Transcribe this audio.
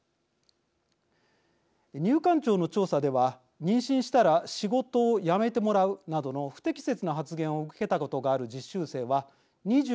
入管庁の調査では妊娠したら仕事を辞めてもらうなどの不適切な発言を受けたことがある実習生は２６．５％。